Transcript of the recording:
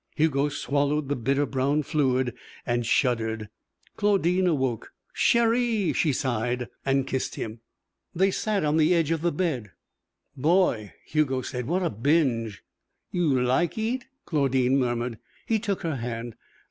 Hugo swallowed the bitter brown fluid and shuddered. Claudine awoke. "Chéri!" she sighed, and kissed him. They sat on the edge of the bed. "Boy!" Hugo said. "What a binge!" "You like eet?" Claudine murmured. He took her hand.